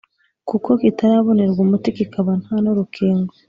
kuko kitarabonerwa umuti kikaba nta nurukingo